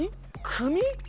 「組」？